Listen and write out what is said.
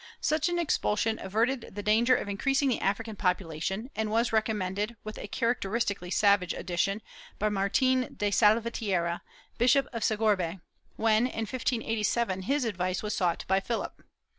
^ Such an expulsion averted the danger of increasing the African population and was recommended, with a characteristically savage addition, b)'' Martin de Salvatierra, Bishop of Segorbe, when, in 1587, his advice was sought by Philip.